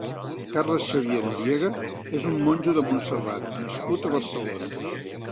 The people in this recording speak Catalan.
Carles Xavier Noriega és un monjo de Montserrat nascut a Barcelona.